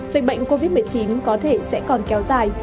dịch bệnh covid một mươi chín có thể sẽ còn kéo dài